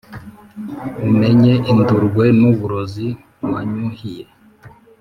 umenye indurwe n’uburozi wanyuhiye!